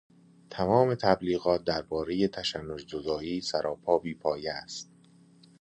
تمام تبلیغات دربارهٔ تشنج زدائی سراپا بی پایه است.